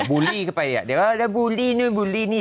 บูลลี่เข้าไปเดี๋ยวว่าบูลลี่นี่บูลลี่นี่